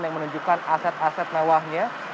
yang menunjukkan aset aset mewahnya